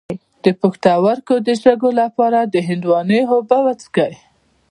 د پښتورګو د شګو لپاره د هندواڼې اوبه وڅښئ